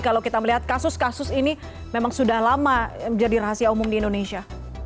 kalau kita melihat kasus kasus ini memang sudah lama menjadi rahasia umum di indonesia